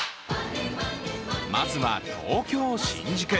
まずは東京・新宿。